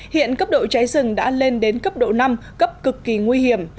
hiện cấp độ cháy rừng đã lên đến cấp độ năm cấp cực kỳ nguy hiểm